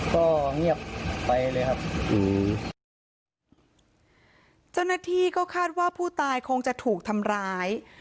ก็เงียบไปเลยครับอืมเจ้าหน้าที่ก็คาดว่าผู้ตายคงจะถูกทำร้าย